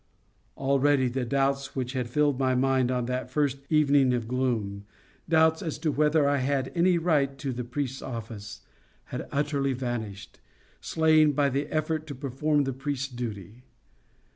Already the doubts which had filled my mind on that first evening of gloom, doubts as to whether I had any right to the priest's office, had utterly vanished, slain by the effort to perform the priest's duty.